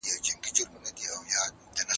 گیله من وو له اسمانه له عالمه